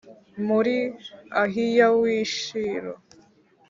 Muri ahiya w i shilo